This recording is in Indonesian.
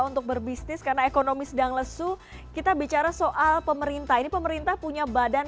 untuk berbisnis karena ekonomi sedang lesu kita bicara soal pemerintah ini pemerintah punya badan